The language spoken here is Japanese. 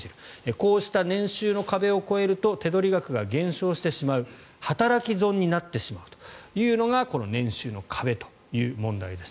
こうした年収の壁を超えると手取り額が減少してしまう働き損になってしまうというのが年収の壁という問題です。